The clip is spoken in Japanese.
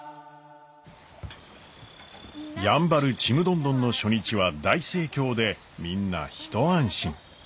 やんばるちむどんどんの初日は大盛況でみんな一安心。